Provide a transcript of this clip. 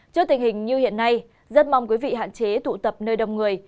trước tình hình như hiện nay rất mong quý vị hạn chế tụ tập nơi đông người